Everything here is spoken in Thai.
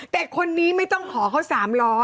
แต่คนนี้ไม่ต้องขอเขา๓ล้อ